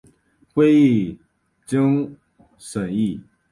会议经审议